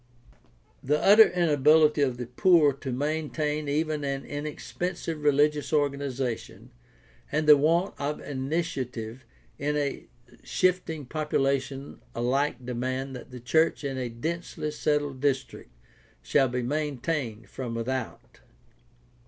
The utter inability of the poor to maintain even an in expensive religious organization and the want of initiative in a shifting population alike demand that the church in a densely settled district shall be maintained from without.